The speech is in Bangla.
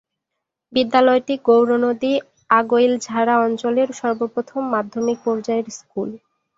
বিদ্যালয়টি গৌরনদী-আগৈলঝাড়া অঞ্চলের সর্বপ্রথম মাধ্যমিক পর্যায়ের স্কুল।